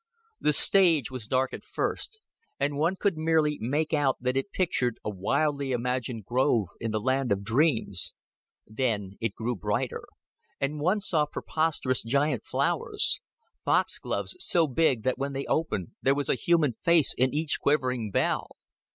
The stage was dark at first, and one could merely make out that it pictured a wildly imagined grove in the land of dreams; then it grew brighter, and one saw preposterous giant flowers foxgloves so big that when they opened there was a human face in each quivering bell.